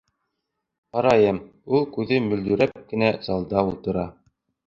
Ҡарайым, ул күҙе мөлдөрәп кенә залда ултыра.